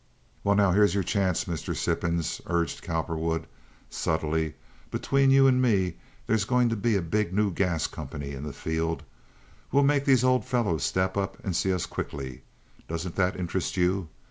"Well, now, here's your chance, Mr. Sippens," urged Cowperwood, subtly. "Between you and me there's going to be a big new gas company in the field. We'll make these old fellows step up and see us quickly. Doesn't that interest you?